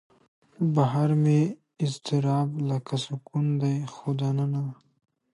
بهر مې اضطراب لکه سکون دی خو دننه